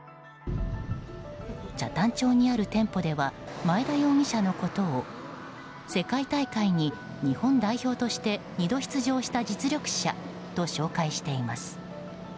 北谷町にある店舗では前田容疑者のことを世界大会に日本代表として２度出場した実力者と紹介しています。